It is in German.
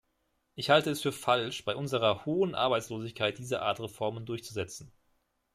Ich halte es für falsch, bei unserer hohen Arbeitslosigkeit diese Art Reformen durchzusetzen.